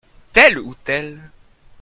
Tel ou tel.